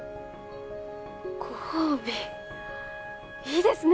ご褒美いいですね！